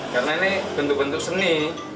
karena ini bentuk bentuk seni